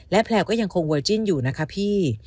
และแพลวก็ยังคงเวอร์จิ้นอยู่นะคะพี่